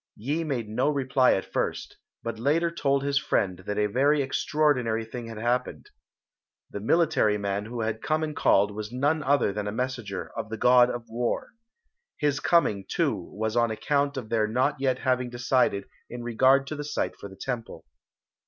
Yi made no reply at first, but later told his friend that a very extraordinary thing had happened. The military man who had come and called was none other than a messenger of the God of War. His coming, too, was on account of their not yet having decided in regard to the site for the Temple.